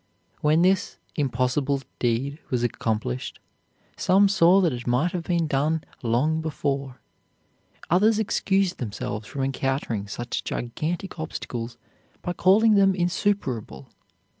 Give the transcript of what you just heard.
When this "impossible" deed was accomplished, some saw that it might have been done long before. Others excused themselves from encountering such gigantic obstacles by calling them insuperable.